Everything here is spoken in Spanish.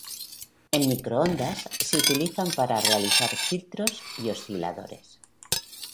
En microondas se utilizan para realizar filtros y osciladores.